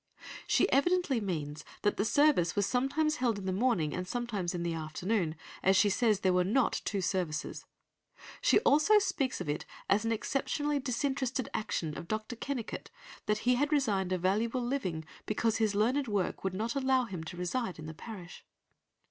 She evidently means that the service was sometimes held in the morning, and sometimes in the afternoon, as she says there were not two services. She also speaks of it as an exceptionally disinterested action of Dr. Kennicott that he had resigned a valuable living because his learned work would not allow him to reside in the parish.